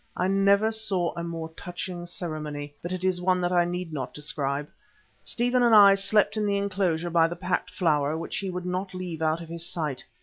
I never saw a more touching ceremony, but it is one that I need not describe. Stephen and I slept in the enclosure by the packed flower, which he would not leave out of his sight.